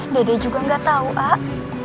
dede juga gak tau ak